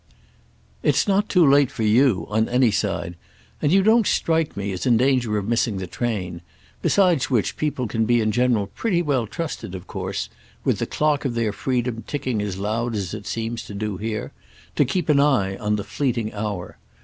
"It's not too late for you, on any side, and you don't strike me as in danger of missing the train; besides which people can be in general pretty well trusted, of course—with the clock of their freedom ticking as loud as it seems to do here—to keep an eye on the fleeting hour.